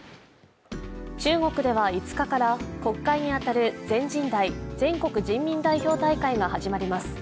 中国では５日から国会に当たる全人代＝全国人民代表大会が始まります。